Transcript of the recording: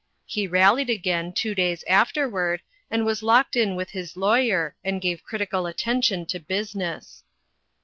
He rallied again, two days afterward, and was locked in with his law yer, and gave critical attention to business.